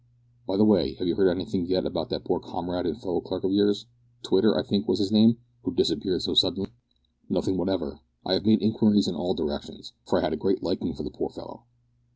By the way, have you heard anything yet about that poor comrade and fellow clerk of yours Twitter, I think, was his name who disappeared so suddenly?" "Nothing whatever. I have made inquiries in all directions for I had a great liking for the poor fellow.